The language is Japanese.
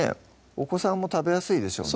お子さんも食べやすいでしょうね